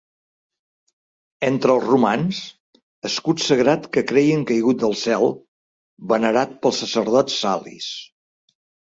Entre els romans, escut sagrat que creien caigut del cel, venerat pels sacerdots salis.